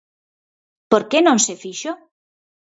Por que non se fixo?